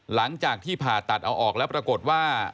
หลังจากที่ผ่าตัดเอาออกแล้วปรากฏว่า